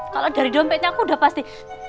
kalau dari dompetnya aku udah pasti